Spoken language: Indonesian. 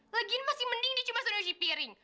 lagian masih mending dicuma suruh yosipiring